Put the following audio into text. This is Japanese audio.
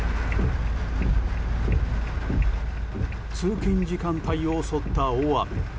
通勤時間帯を襲った大雨。